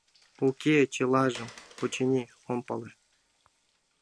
— Уке, чылажым, очыни, ом пале.